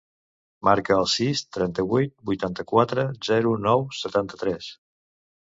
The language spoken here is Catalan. Marca el sis, trenta-vuit, vuitanta-quatre, zero, nou, setanta-tres.